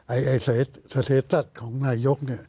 ไอ้สเทศตรัสของนายก